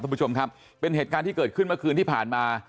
คุณผู้ชมครับเป็นเหตุการณ์ที่เกิดขึ้นเมื่อคืนที่ผ่านมา